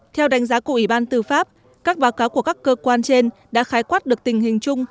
theo đánh giá của ủy ban tư pháp các báo cáo của các cơ quan trên đã khái quát được tình hình chung